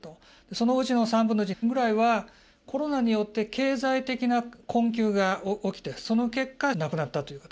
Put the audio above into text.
そのうちの３分の１ぐらいはコロナによって経済的な困窮が起きてその結果亡くなったという方。